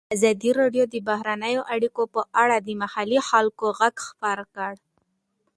ازادي راډیو د بهرنۍ اړیکې په اړه د محلي خلکو غږ خپور کړی.